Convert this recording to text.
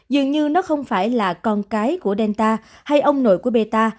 dường như nó không phải là con cái của delta hay ông nội của beta